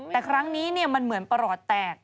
แต่ครั้งนี้มันเหมือนประหลอดแตก